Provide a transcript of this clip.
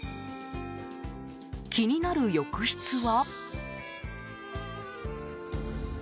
気になる浴室は。